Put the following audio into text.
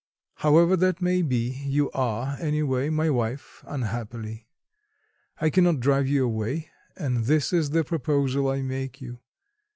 "However that may be you are, any way, my wife, unhappily. I cannot drive you away... and this is the proposal I make you.